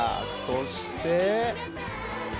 そして。